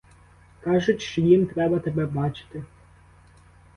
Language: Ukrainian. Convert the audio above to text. Кажуть, що їм треба тебе бачити.